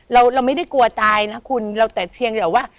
เราไม่ได้กลัวตายนะคุณแต่เชียงเดี๋ยวว่า